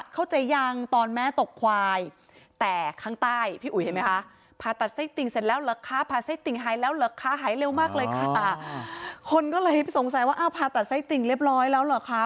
คนก็เลยสงสัยว่าอ้าวผ่าตัดไส้ติ่งเรียบร้อยแล้วหรอค่ะ